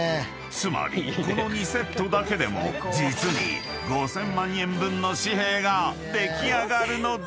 ［つまりこの２セットだけでも実に５，０００万円分の紙幣が出来上がるのだ］